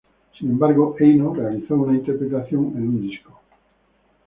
Sin embargo, Heino realizó una interpretación en un disco.